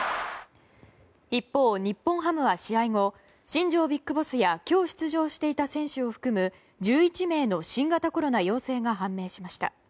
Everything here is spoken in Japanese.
一方、日本ハムは試合後新庄ＢＩＧＢＯＳＳや今日出場していた選手を含む１１名の新型コロナ陽性が判明しました。